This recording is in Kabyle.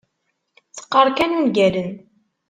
Teqqar kan ungalen.